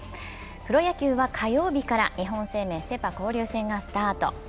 プロ野球は火曜日から日本生命セ・パ交流戦がスタート。